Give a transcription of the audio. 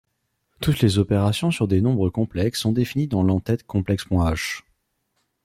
Toutes les opérations sur des nombres complexes sont définies dans l'en-tête complex.h.